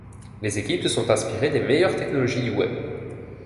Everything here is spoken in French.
Les équipes se sont inspirées des meilleures technologies du web.